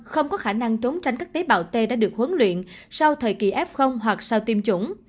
không có khả năng trốn tránh các tế bào t đã được huấn luyện sau thời kỳ f hoặc sau tiêm chủng